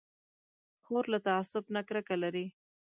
خور له تعصب نه کرکه لري.